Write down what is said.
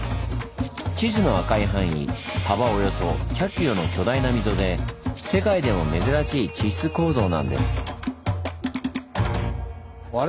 地図の赤い範囲幅およそ１００ｋｍの巨大な溝で世界でも珍しい地質構造なんです。